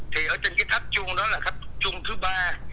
thì ở trên cái tháp chuông đó là tháp chuông thứ ba